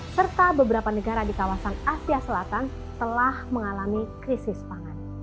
serta beberapa negara di kawasan asia selatan telah mengalami krisis pangan